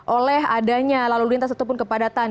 oleh adanya lalu lintas ataupun kepadatan